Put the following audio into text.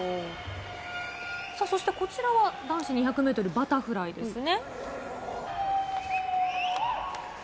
そしてこちらは、男子２００メートルバタフライですね。